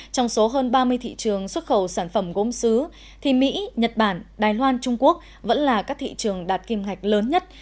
trong số hơn ba mươi thị trường xuất khẩu sản phẩm gốm xứ thì mỹ nhật bản đài loan trung quốc vẫn là các thị trường đạt kim ngạch lớn nhất